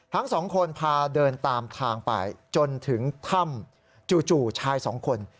ทั้งสองคนพาเดินตามทางไปจนถึงถ้ำจู่ชายสองคน